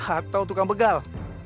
atau tukang begal